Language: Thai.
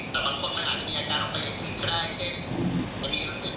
แต่โดยส่วนใหญ่เราจะมีอาการใจสั่นในโจรใจร้ายแรง